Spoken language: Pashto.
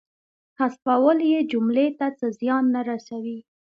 حذفول یې جملې ته څه زیان نه رسوي.